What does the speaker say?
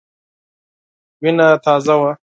وینه تازه وه.